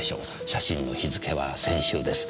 写真の日付は先週です。